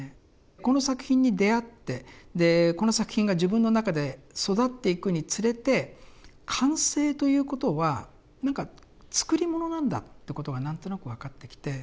この作品に出会ってでこの作品が自分の中で育っていくにつれて完成ということは何か作り物なんだってことが何となく分かってきて。